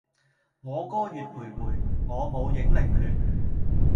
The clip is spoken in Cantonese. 我歌月徘徊，我舞影零亂